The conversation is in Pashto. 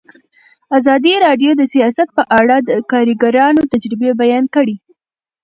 ازادي راډیو د سیاست په اړه د کارګرانو تجربې بیان کړي.